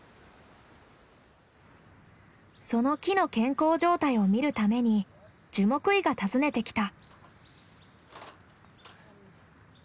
その木の健康状態をみるために樹木医が訪ねてきた。